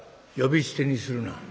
「呼び捨てにするな。